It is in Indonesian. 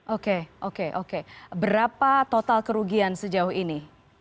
oke oke oke berapa total kerugian sejauh ini